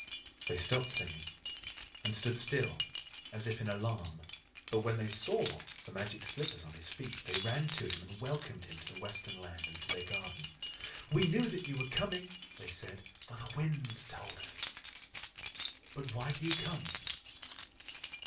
They stopped singing, and stood still as if in alarm. But when they saw the Magic Slippers on his feet, they ran to him, and welcomed him to the Western Land and to their garden. "We knew that you were coming," they said, "for the winds told us. But why do you come?"